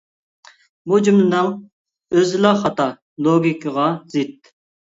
بۇ جۈملىنىڭ ئۆزىلا خاتا، لوگىكىغا زىت .